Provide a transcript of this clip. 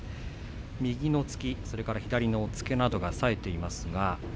右の突き、それから左の押っつけなどがさえています。